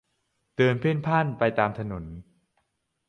เดินเพ่นพ่านไปตามถนน